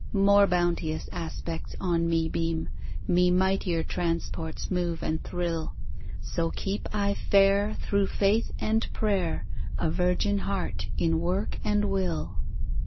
More bounteous aspects on me beam, Me mightier transports move and thrill; So keep I fair thro' faith and prayer A virgin heart in work and will.